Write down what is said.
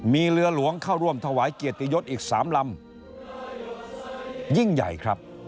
มีเรือหลวงเข้าร่วมถวายเกียรติยศอีกสามลำยิ่งใหญ่ครับ